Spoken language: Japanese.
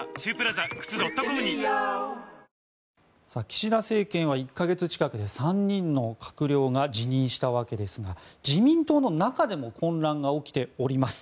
岸田政権は１か月近くで３人の閣僚が辞任したわけですが自民党の中でも混乱が起きております。